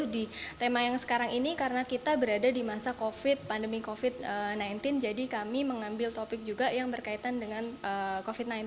di tema yang sekarang ini karena kita berada di masa covid pandemi covid sembilan belas jadi kami mengambil topik juga yang berkaitan dengan covid sembilan belas